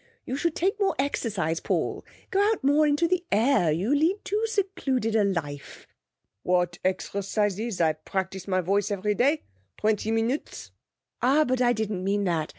'You should take more exercise, Paul. Go out more in the air. You lead too secluded a life.' 'What exercises? I practise my voice every day, twenty minutes.' 'Ah, but I didn't mean that.